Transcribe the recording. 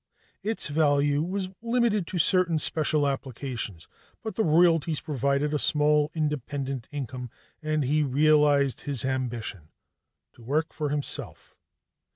Its value was limited to certain special applications, but the royalties provided a small independent income and he realized his ambition: to work for himself.